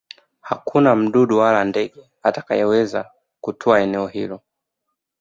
Hakuna hata mdudu wala ndege atakayeweza kutua eneo hilo